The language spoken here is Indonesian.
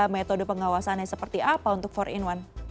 metode pengawasannya seperti apa untuk empat in satu